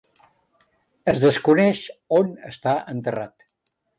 Es desconeix on està enterrat.